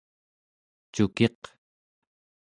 cukiq